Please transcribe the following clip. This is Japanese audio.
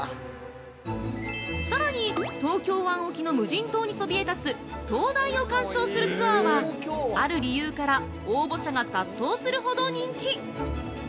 さらに東京湾沖の無人島にそびえ立つ灯台を観賞するツアーはある理由から応募者が殺到するほど人気。